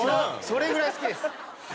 それぐらい好きです。